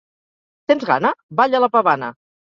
Tens gana? / —Balla la pavana!